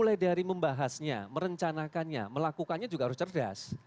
jadi dari membahasnya merencanakannya melakukannya juga harus cerdas